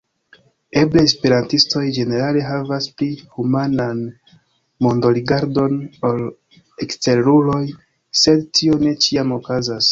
Eble esperantistoj ĝenerale havas pli humanan mondorigardon ol eksteruloj, sed tio ne ĉiam okazas.